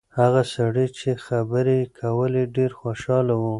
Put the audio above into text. هغه سړی چې خبرې یې کولې ډېر خوشاله و.